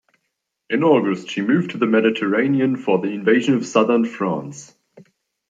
In August, she moved to the Mediterranean for the invasion of Southern France.